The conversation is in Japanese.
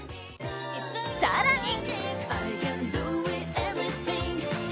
更に。